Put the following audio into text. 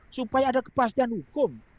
supaya ada kepastian hukum